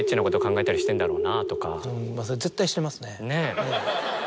絶対してますね。ねぇ。